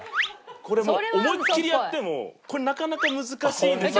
これもう思いっきりやってもなかなか難しいんですよ。